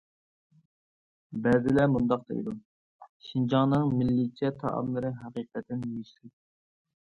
بەزىلەر مۇنداق دەيدۇ: شىنجاڭنىڭ مىللىيچە تائاملىرى ھەقىقەتەن يېيىشلىك.